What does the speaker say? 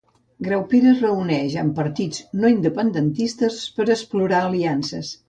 Graupera es reuneix amb partits no-independentistes per explorar aliances.